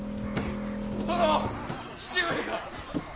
殿父上が！